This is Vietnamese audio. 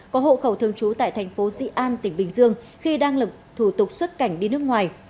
có hộ khẩu thường trú tại tp dị an tỉnh bình dương khi đang lực thủ tục xuất cảnh đi nước ngoài